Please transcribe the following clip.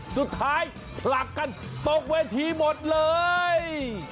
สุดท้ายผลักกันตกเวทีหมดเลย